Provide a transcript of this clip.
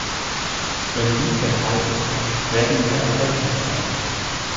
Wenn dies der Fall ist, werden wir erfolgreich sein.